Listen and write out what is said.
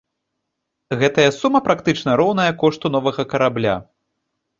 Гэтая сума практычна роўная кошту новага карабля.